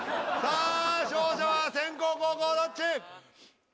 あ勝者は先攻後攻どっち？